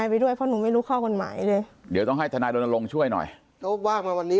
วันนี้ว่างเลยมั้ยคุณจิตติ